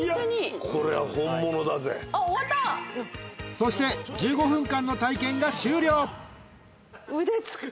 ［そして１５分間の体験が終了］